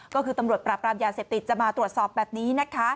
ก็คือตำรวจปราบรามยาเสพติดจะมาตรวจสอบแบบนี้นะคะ